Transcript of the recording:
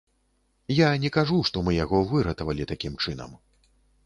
Я не кажу, што мы яго выратавалі такім чынам.